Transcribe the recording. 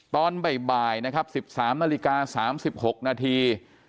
ตอนบ่ายนะครับ๑๓นาฬิกา๓๖นาที